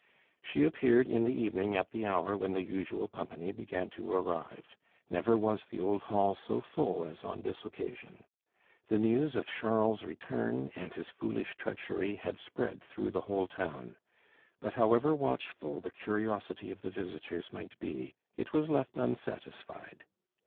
She appeared in the evening at the hour when the usual company began to arrive. Never was the old hall so full as on this occasion. The news of Charles's return and his foolish treachery had spread through the whole town. But however watchful the curiosity of the visitors might be, it was left unsatisfied.